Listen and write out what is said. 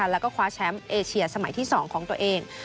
แล้วก็คว้าแชมป์เอเชียสมัยที่๒ของตัวเอง